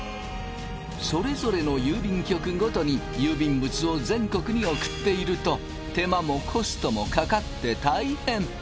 それぞれの郵便局ごとに郵便物を全国に送っていると手間もコストもかかって大変。